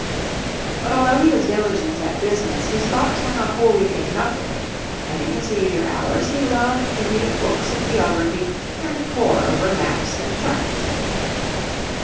But although he was diligent at business his thoughts were not wholly taken up with it, and in his leisure hours he loved to read books of geography, and pore over maps and charts.